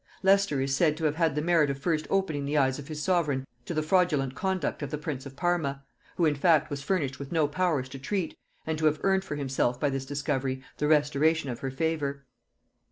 Leicester is said to have had the merit of first opening the eyes of his sovereign to the fraudulent conduct of the prince of Parma, who in fact was furnished with no powers to treat, and to have earned for himself by this discovery the restoration of her favor.